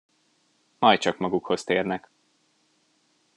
Majd csak magukhoz térnek.